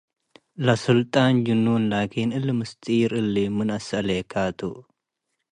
ለስልጣን ጅኑን ላኪን፡ እሊ ምስጢር እሊ መን አስአሌከ ቱ